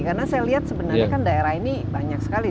karena saya lihat sebenarnya kan daerah ini banyak sekali